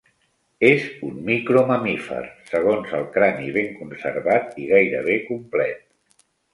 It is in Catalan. És un micro mamífer, segons el crani ben conservat i gairebé complet.